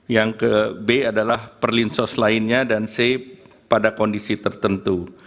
yang ke b adalah perlinsos lainnya dan c pada kondisi tertentu